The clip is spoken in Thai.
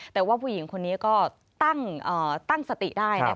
แต่ว่าผู้หญิงคนนี้ก็ตั้งสติได้